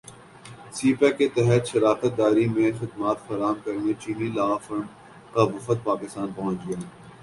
سی pack کے تحت شراکت داری میں خدمات فراہم کرنے چینی لا فرم کا وفد پاکستان پہنچ گیا